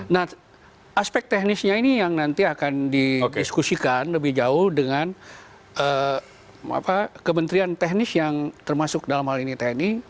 nah aspek teknisnya ini yang nanti akan didiskusikan lebih jauh dengan kementerian teknis yang termasuk dalam hal ini tni